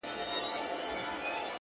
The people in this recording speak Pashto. باور د هڅې لومړی قدم دی.